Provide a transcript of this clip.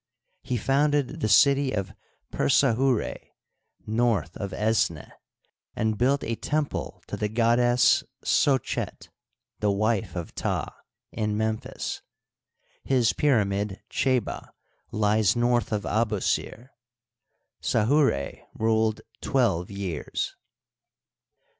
He founded the city of Persahurd, north of Esneh, and built a temple to the goddess Socket, the wife of Ptah, in Memphis. His pyra mid, Chdba, lies north of Abusir. Sahura ruled twelve years.